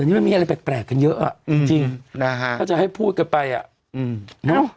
อันนี้มันมีอะไรแปลกกันเยอะอ่ะจริงจริงนะฮะถ้าจะให้พูดกันไปอ่ะอืมเนอะ